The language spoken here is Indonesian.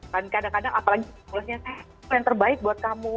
dan kadang kadang apalagi manipulasi yang terbaik buat kamu